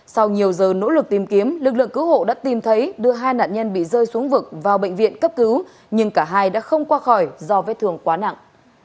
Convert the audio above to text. sau nhiều giờ nỗ lực tìm kiếm lực lượng cứu hộ đã tìm thấy đưa hai nạn nhân bị rơi xuống vực vào bệnh viện cấp cứu nhưng cả hai đã không qua khỏi do vết thương quá nặng